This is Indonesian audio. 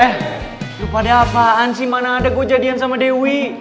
eh pada apaan sih mana ada gue jadian sama dewi